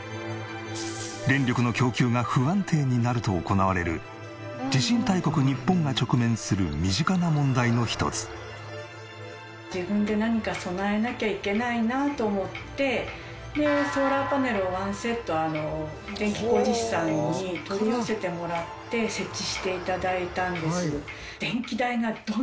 電力の供給が不安定になると行われる地震大国日本が直面する身近な問題の一つ。でソーラーパネルを１セット電気工事士さんに取り寄せてもらって設置して頂いたんです。